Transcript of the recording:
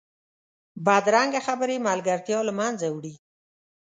بدرنګه خبرې ملګرتیا له منځه وړي